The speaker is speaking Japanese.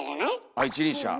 あ一輪車。